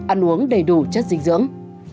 ăn uống đầy đủ chất dinh dưỡng